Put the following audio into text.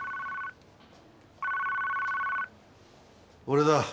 俺だ。